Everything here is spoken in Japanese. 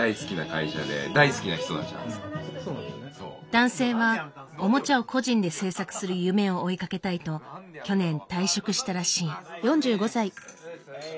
男性はおもちゃを個人で制作する夢を追いかけたいと去年退職したらしい。